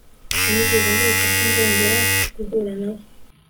Sinigeze ndota ko nzongera guhura nawe